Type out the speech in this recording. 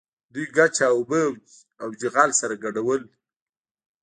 دوی ګچ او اوبه او چغل سره ګډول.